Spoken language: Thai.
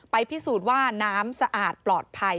พิสูจน์ว่าน้ำสะอาดปลอดภัย